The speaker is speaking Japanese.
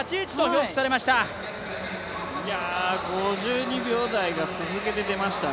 ５２秒台がここでも出ました。